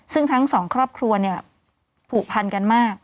ซึ่งทั้งสองครอบครัวเนี่ยผูกพันกันมาก